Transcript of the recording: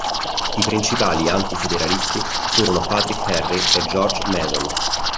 I principali anti-federalisti furono Patrick Henry e George Mason.